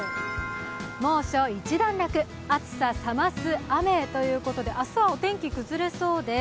猛暑一段落、暑さ冷ます雨ということで明日はお天気崩れそうです